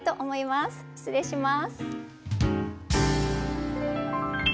失礼します。